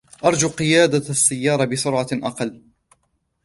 أرجو قيادة السيارة بسرعة أقل.